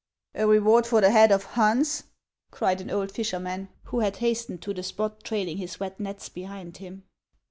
" A reward for the head of Hans !" cried an old fisher man, who had hastened to the spot, trailing his wet nets behind him.